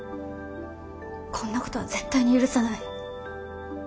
こんなことは絶対に許さない。